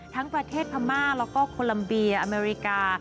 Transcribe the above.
ทั้งประเทศพม่าแล้วก็โคลัมเบียอเมริกา